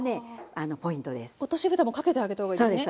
落としぶたもかけてあげたほうがいいですね。